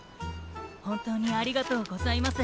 ほんとうにありがとうございます。